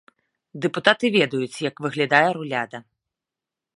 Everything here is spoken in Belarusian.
Дэпутаты ведаюць, як выглядае руляда.